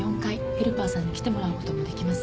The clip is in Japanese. ヘルパーさんに来てもらう事もできます。